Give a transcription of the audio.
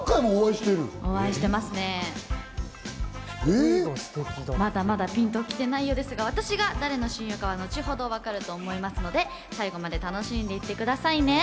まだまだピンときてないようですが私が誰の親友かは後ほど分かると思いますので、最後まで楽しんでいってくださいね。